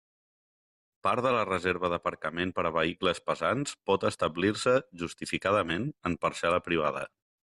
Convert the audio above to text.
Part de la reserva d'aparcament per a vehicles pesants pot establir-se, justificadament, en parcel·la privada.